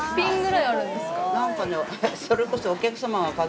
何かねそれこそ。